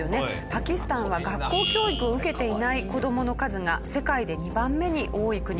パキスタンは学校教育を受けていない子どもの数が世界で２番目に多い国だそうです。